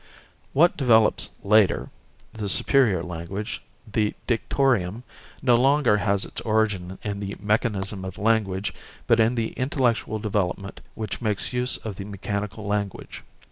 What develops later, the superior language, the dictorium, no longer has its origin in the mechanism of language but in the intellectual development which makes use of the mechanical language.